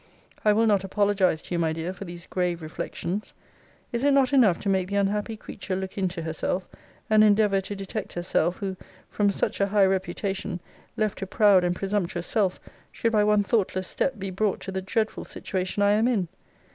I will not apologize to you, my dear, for these grave reflections. Is it not enough to make the unhappy creature look into herself, and endeavour to detect herself, who, from such a high reputation, left to proud and presumptuous self, should by one thoughtless step, be brought to the dreadful situation I am in?